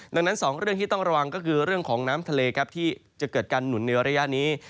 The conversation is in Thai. ดังนั้น๒เรื่องที่ต้องระวังก็คือเรื่องของน้ำทะเลครับที่จะเกิดการหนุนในระยะนี้